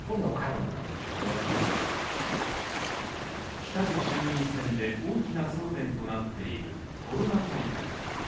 来たる衆院選で大きな争点となっているコロナ対策。